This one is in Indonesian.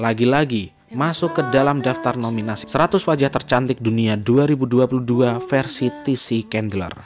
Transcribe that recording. lagi lagi masuk ke dalam daftar nominasi seratus wajah tercantik dunia dua ribu dua puluh dua versi tc kendler